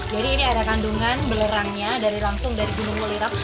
jadi ini ada kandungan belerangnya dari langsung dari gunung mulirang